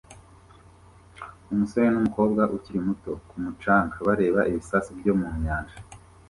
Umusore n'umukobwa ukiri muto ku mucanga bareba ibisasu byo mu nyanja